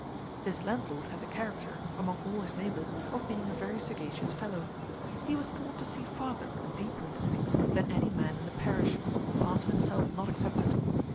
This landlord had the character, among all his neighbours, of being a very sagacious fellow. He was thought to see farther and deeper into things than any man in the parish, the parson himself not excepted.